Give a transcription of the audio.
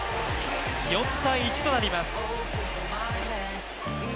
４−１となります。